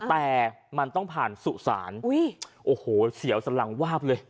แต่มันต้องผ่านสุสานโอ้โหเสียวสลังวาบเลย